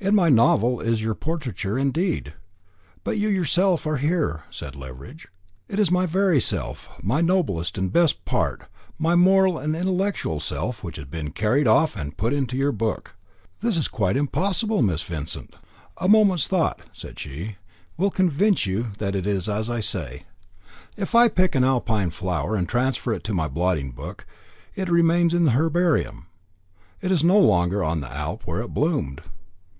"In my novel is your portraiture indeed but you yourself are here," said Leveridge. "It is my very self, my noblest and best part, my moral and intellectual self, which has been carried off and put into your book." "This is quite impossible, Miss Vincent." "A moment's thought," said she, "will convince you that it is as I say. If I pick an Alpine flower and transfer it to my blotting book, it remains in the herbarium. It is no longer on the Alp where it bloomed."